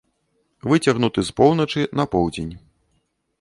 Выцягнуты з поўначы на поўдзень.